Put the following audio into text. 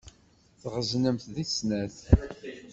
Tɣeẓnemt deg snat.